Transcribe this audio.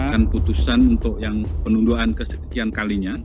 dan putusan untuk yang penunduan kesekian kalinya